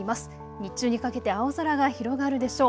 日中にかけて青空が広がるでしょう。